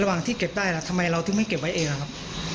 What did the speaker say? ที่เก็บได้ล่ะทำไมเราถึงไม่เก็บไว้เองอะครับ